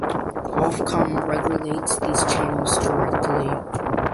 Ofcom regulates these channels directly.